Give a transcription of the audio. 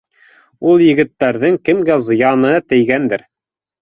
Ул егеттәрҙең кемгә зыяны тейгәндер.